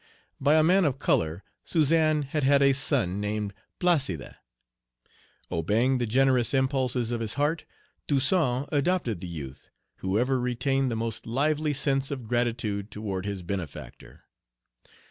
By a man of color, Suzan had had a son, named Placide. Obeying the generous impulses of his heart, Toussaint adopted the Page 40 youth, who ever retained the most lively sense of gratitude toward his benefactor.